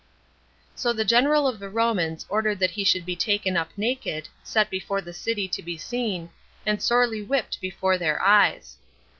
So the general of the Romans ordered that he should be taken up naked, set before the city to be seen, and sorely whipped before their eyes.